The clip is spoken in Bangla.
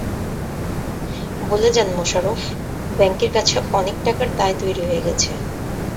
বলে যান মোশারফ, ব্যাংকের কাছে অনেক টাকার দায় তৈরি হয়ে গেছে।